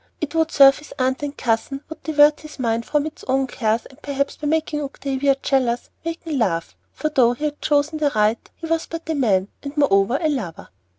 It would serve his aunt and cousin, would divert his mind from its own cares, and, perhaps by making Octavia jealous, waken love; for, though he had chosen the right, he was but a man, and moreover a lover.